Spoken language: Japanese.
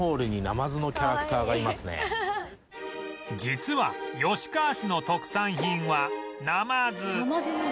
実は吉川市の特産品はなまず